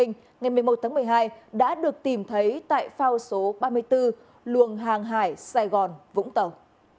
ngày một mươi một tháng một mươi hai đã được tìm thấy tại phao số ba mươi bốn luồng hàng hải sài gòn vũng tàu